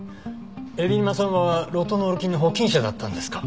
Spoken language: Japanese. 海老沼さんはロトノール菌の保菌者だったんですか？